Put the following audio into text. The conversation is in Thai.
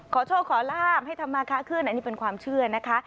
โชคขอลาบให้ทำมาค้าขึ้นอันนี้เป็นความเชื่อนะคะ